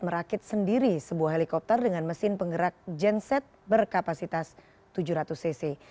merakit sendiri sebuah helikopter dengan mesin penggerak genset berkapasitas tujuh ratus cc